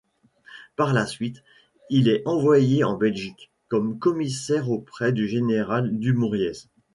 Par la suite, il est envoyé en Belgique comme commissaire auprès du général Dumouriez.